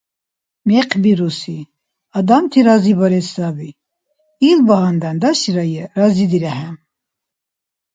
– Мекъ бируси – адамти разибарес саби. Илбагьандан, даширая, разидирехӀе.